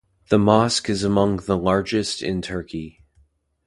The mosque is among the largest in Turkey.